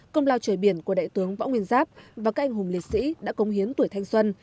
công lao trời biển của đại tướng võ nguyên giáp và các anh hùng liệt sĩ đã công hiến tuổi thanh xuân